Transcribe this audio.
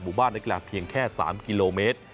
บ้านนักกีฬาเพียงแค่๓กิโลเมตร